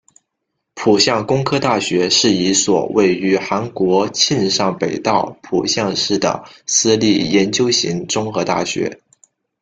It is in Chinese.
浦项工科大学是一所位于韩国庆尚北道浦项市的私立研究型综合大学。